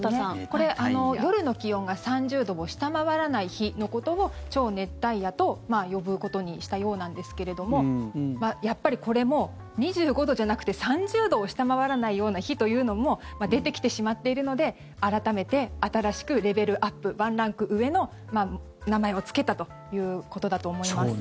これ、夜の気温が３０度を下回らない日のことを超熱帯夜と呼ぶことにしたようなんですけれどもやっぱりこれも２５度じゃなくて３０度を下回らないような日というのも出てきてしまっているので改めて新しくレベルアップワンランク上の名前をつけたということだと思います。